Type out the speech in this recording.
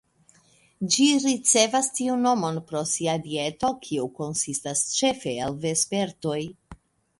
Ĝi ricevas tiun nomon pro sia dieto, kiu konsistas ĉefe el vespertoj.